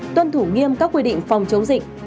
tuân thủ nghiêm các quy định phòng chống dịch